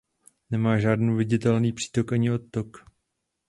Nemá žádný viditelný přítok ani odtok.